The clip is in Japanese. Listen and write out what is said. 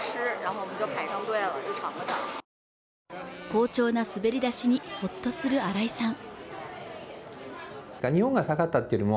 好調な滑り出しにホッとする荒井さん